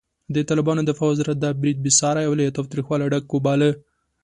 د طالبانو دفاع وزارت دا برید بېساری او له تاوتریخوالي ډک وباله.